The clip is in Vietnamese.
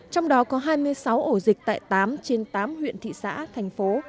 trong đó có hai mươi sáu ổ dịch tại tám trên tám huyện thị xã thành phố